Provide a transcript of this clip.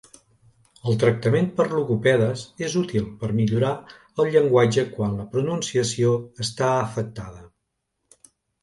El tractament per logopedes és útil per millorar el llenguatge quan la pronunciació està afectada.